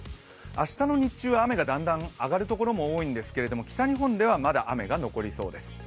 明日の日中、だんだん雨があがるところが多いんですけれども北日本ではまだ雨が残りそうです。